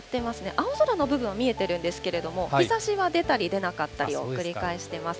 青空の部分は見えてるんですけれども、日ざしは出たり出なかったりを繰り返してます。